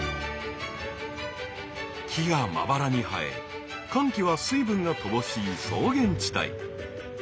木がまばらに生え乾季は水分が乏しい草原地帯。